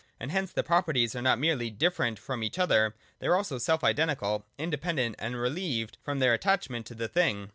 And hence the properties are not merely dif ferent from each other ; they are also self identical, in dependent, and relieved from their attachment to the thing.